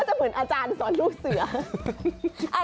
แต่ไม่ได้รถราคา